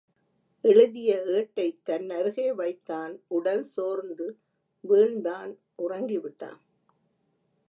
எழுதிய ஏட்டைத் தன்னருகே வைத்தான் உடல் சோர்ந்து வீழ்ந்தான் உறங்கி விட்டான்.